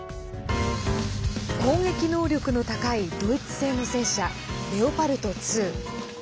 攻撃能力の高いドイツ製の戦車レオパルト２。